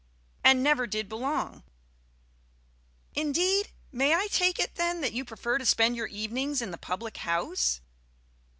"And never did belong." "Indeed? May I take it then that you prefer to spend your evenings in the public house?"